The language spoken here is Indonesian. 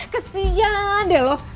kasihan deh loh